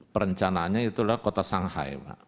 perencanaannya itulah kota shanghai pak